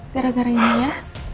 gara gara ini ya